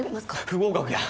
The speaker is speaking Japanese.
不合格や。